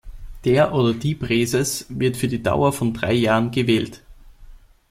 Der oder die Präses wird für die Dauer von drei Jahren gewählt.